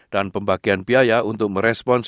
dan pembagian biaya untuk merespons